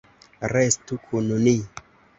Restu kun ni.